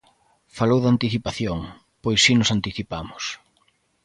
Falou de anticipación, pois si nos anticipamos.